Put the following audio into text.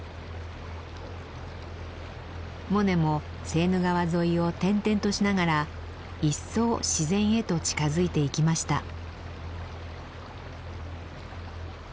モネもセーヌ川沿いを転々としながら一層自然へと近づいていきました。